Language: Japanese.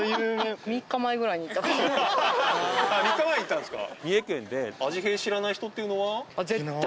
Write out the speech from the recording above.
３日前に行ったんですか？